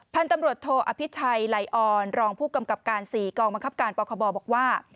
พันธุ์ตำรวจโทอภิชัยไลออนรองผู้กำกับการ๔กองบังคับการปคบบอกว่า